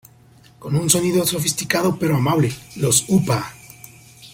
Con un sonido sofisticado pero amable, los Upa!